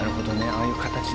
ああいう形に。